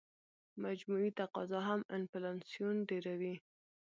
مجموعي تقاضا هم انفلاسیون ډېروي.